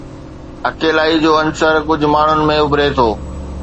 اڪيلائي جو عنصر ڪجهه ماڻهن ۾ اڀري ٿو